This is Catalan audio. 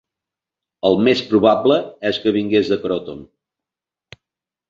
El més probable és que vingués de Croton.